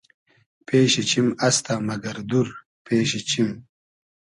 پېشی چیم استۂ مئگئر دور پېشی چیم